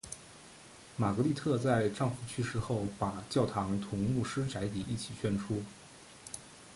玛格丽特在丈夫去世后把教堂同牧师宅邸一起捐出。